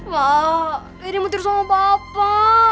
pak dedy mentir sama papa